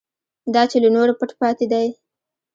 دا چې له نورو پټ پاتې دی.